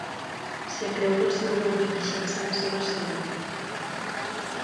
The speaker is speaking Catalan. Es creu que el seu lloc de naixença va ser Barcelona.